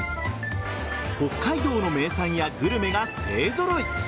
北海道の名産やグルメが勢揃い。